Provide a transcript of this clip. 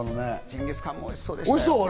ジンギスカンもおいしそうでしたね。